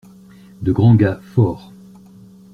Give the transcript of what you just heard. De grands gars forts.